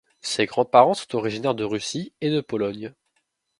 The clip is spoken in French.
Ses grands-parents sont originaires de Russie et de Pologne.